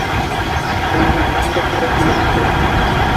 Уныһын үҙең дә күрә киләһең ҡуй.